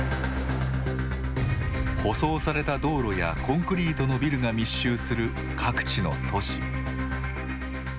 舗装された道路やコンクリートのビルが密集する各地の都市。